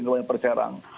yang dihukum perserang